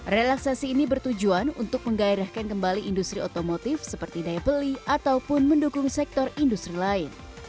relaksasi ini bertujuan untuk menggairahkan kembali industri otomotif seperti daya beli ataupun mendukung sektor industri lain